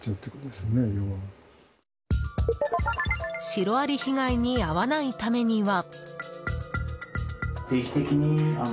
シロアリ被害に遭わないためには。